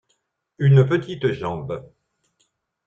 Une petite jambe.